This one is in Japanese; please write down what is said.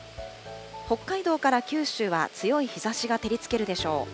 北海道から九州は強い日ざしが照りつけるでしょう。